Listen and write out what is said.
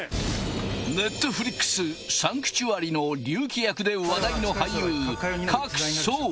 Ｎｅｔｆｌｉｘ「サンクチュアリ−聖域−」の龍貴役で話題の俳優佳久創